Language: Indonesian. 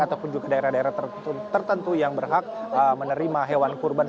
ataupun juga daerah daerah tertentu yang berhak menerima hewan kurban